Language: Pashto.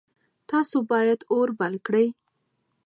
تاسو باید اور بل کړئ.